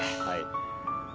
はい。